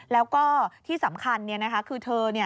แล้วก็ที่สำคัญคือเธอ